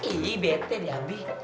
ih bete dia abi